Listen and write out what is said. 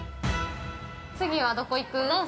◆次はどこ行く？